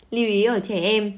lưu ý ở trẻ em